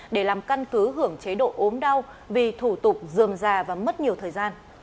để làm căn cứ hưởng chế độ ốm đau vì thủ tục dườm già và mất nhiều thời gian